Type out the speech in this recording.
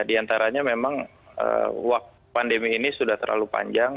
di antaranya memang pandemi ini sudah terlalu panjang